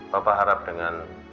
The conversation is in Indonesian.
papa harap dengan